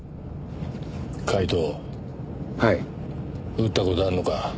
撃った事あるのか？